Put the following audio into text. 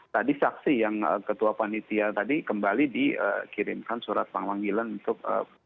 tadi saksi yang ketua panitia tadi kembali dikirimkan surat panggilan untuk